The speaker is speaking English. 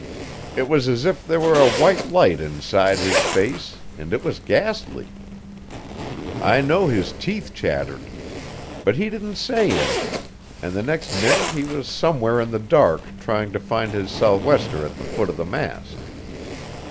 It was as if there were a white light inside his face, and it was ghastly. I know his teeth chattered. But he didn't say anything, and the next minute he was somewhere in the dark trying to find his sou'wester at the foot of the mast.